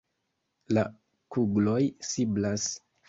La kugloj siblas.